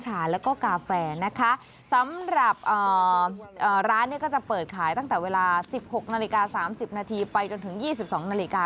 สิบหกนาฬิกาสามสิบนาทีไปจนถึงยี่สิบสองนาฬิกา